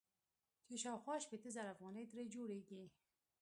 چې شاوخوا شپېته زره افغانۍ ترې جوړيږي.